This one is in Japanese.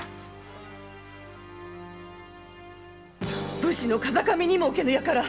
武士の風上にもおけぬ輩！